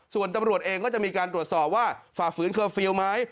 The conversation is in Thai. ส่วนตำรวจเองก็จะมีการตรวจสอบว่าฝ่าฝืนเคอร์ฟิลล์ไหม